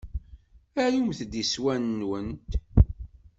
Arumt-d iswan-nwent.